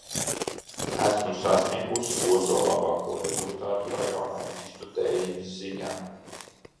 Esmu sasniegusi otru labāko rezultātu rajonā, vistu dējības ziņā.